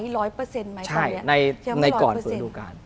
มีร้อยเปอร์เซ็นต์ไหมตอนนี้ยังไม่ร้อยเปอร์เซ็นต์ใช่ในก่อนฝืนธูการ